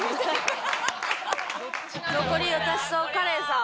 残り私とカレンさん。